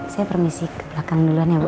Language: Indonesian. saya permisi ke belakang duluan ya bu